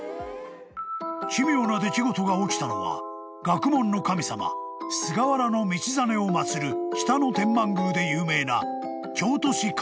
［奇妙な出来事が起きたのは学問の神様菅原道真を祭る北野天満宮で有名な］